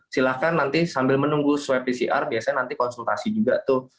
silahkan nanti sambil menunggu swab pcr biasanya nanti konsultasi juga tuh